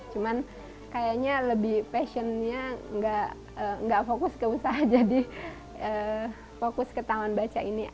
cuman kayaknya lebih passionnya nggak fokus ke usaha jadi fokus ke taman baca ini